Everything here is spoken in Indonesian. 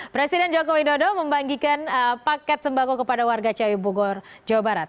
presiden jokowi dodo membagikan paket sembako kepada warga ciawi bugor jawa barat